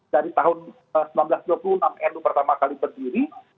dari tahun seribu sembilan ratus dua puluh enam nu pertama kali berdiri